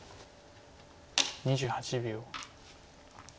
２８秒。